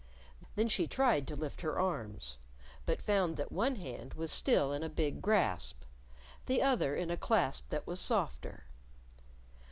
Then she tried to lift her arms; but found that one hand was still in a big grasp, the other in a clasp that was softer.